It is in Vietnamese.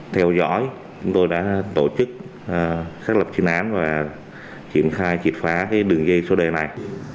theo dõi chúng tôi đã tổ chức xác lập chuyên án và triển khai triệt phá đường dây số đề này